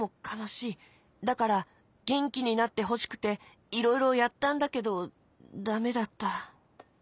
だからげんきになってほしくていろいろやったんだけどダメだった。